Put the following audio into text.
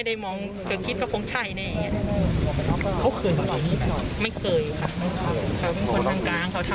แต่เป็นญาติแฟนเค้านะ